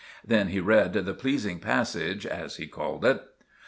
Then he read the pleasing passage, as he called it.